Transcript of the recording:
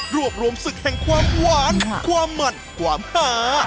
รวมศึกแห่งความหวานความมันความหา